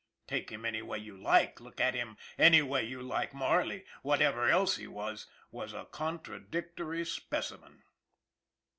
Take him any way you like, look at him any way you like, Marley, whatever else he was, was a contra dictory specimen.